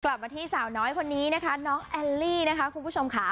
กลับมาที่สาวน้อยคนนี้นะคะน้องแอลลี่นะคะคุณผู้ชมค่ะ